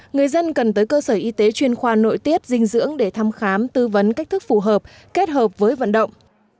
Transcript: người dân cần tới cơ sở y tế chuyên khoa nội tiết dinh dưỡng để thăm khám tư vấn cách thức phù hợp kết hợp với vận động